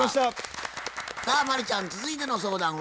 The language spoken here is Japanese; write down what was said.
さあ真理ちゃん続いての相談は？